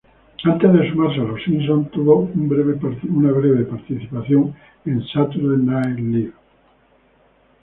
Antes de sumarse a "Los Simpson", tuvo una breve participación en "Saturday Night Live".